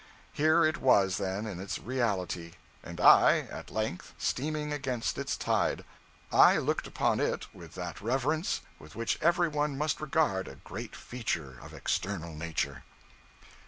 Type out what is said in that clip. Here it was then in its reality, and I, at length, steaming against its tide. I looked upon it with that reverence with which everyone must regard a great feature of external nature.'